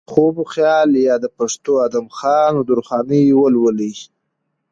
خواب وخيال يا د پښتو ادم خان و درخانۍ ولولئ